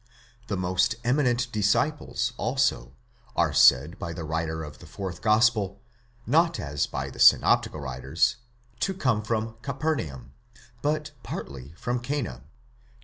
The most eminent disciples, also, are said by the writer of the fourth gospel, not as by the synoptical writers, to come from Capernaum, but partly from Cana (xxi.